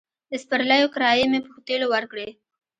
د سپرليو کرايې مې په تيلو ورکړې.